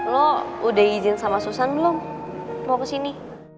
lo udah izin sama susan belum mau kesini